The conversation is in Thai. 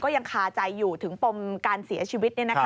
ยังคาใจอยู่ถึงปมการเสียชีวิต